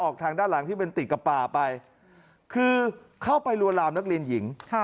ทางด้านหลังที่เป็นติดกับป่าไปคือเข้าไปลวนลามนักเรียนหญิง